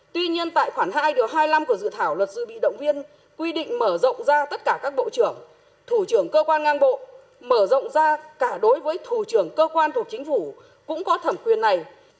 điều hai mươi năm của dự thảo luật dự bị động viên quy định mở rộng ra tất cả các bộ trưởng thủ trưởng cơ quan ngang bộ mở rộng ra cả đối với thủ trưởng cơ quan thuộc chính phủ cũng có thẩm quyền này